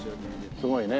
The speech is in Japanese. すごいね。